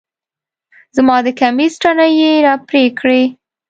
زما د کميس تڼۍ يې راپرې کړې